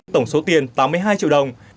tổng số tiền tám mươi hai triệu đồng